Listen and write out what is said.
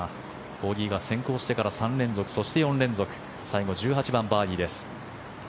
ボギーが先行してから３連続４連続１８番、バーディーです。